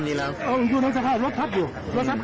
แทนยังเสียชีวิตแล้วอีกต่างหาก